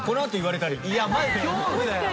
いやマジで恐怖だよ。